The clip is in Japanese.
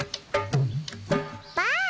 ばあっ！